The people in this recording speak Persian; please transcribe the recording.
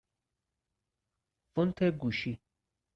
فونت گوشی